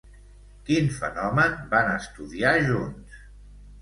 Quin fenomen van estudiar junts?